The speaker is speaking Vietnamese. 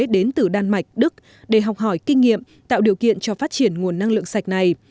đến từ đan mạch đức để học hỏi kinh nghiệm tạo điều kiện cho phát triển nguồn năng lượng sạch này